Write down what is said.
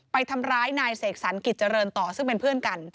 ไปทำร้ายนายเสกสรรกิจเจริญต่อซึ่งเป็นเพื่อนกัน